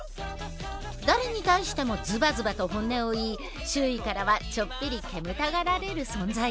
誰に対してもズバズバと本音を言い周囲からはちょっぴり煙たがられる存在。